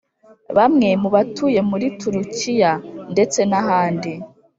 bamwe mu batuye muri Turukiya ndetse n’ ahandi,